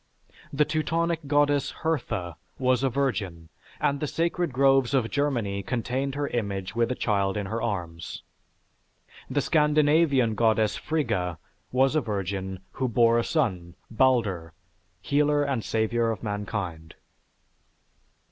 The Teutonic Goddess Hertha, was a virgin, and the sacred groves of Germany contained her image with a child in her arms. The Scandinavian Goddess Frigga was a virgin who bore a son, Balder, healer and savior of mankind.